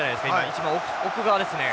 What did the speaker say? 一番奥側ですね。